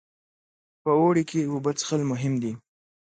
په اوړي کې اوبه څښل مهم دي.